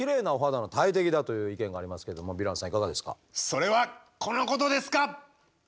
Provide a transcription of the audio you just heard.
それはこのことですか？